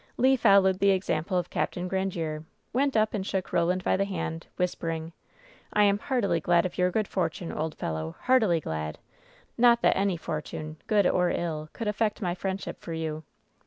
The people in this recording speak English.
Le followed the example of Capt. Grandiere, went up and shook Boland by the hand, whispering: "I am heartily glad of your good fortune, old fellow — ^heartily glad! Not that any fortune, good or ill, could affect my friendship for you."